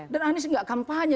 dan anies tidak kampanye